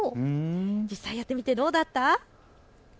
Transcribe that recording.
実際やってみてどうだった？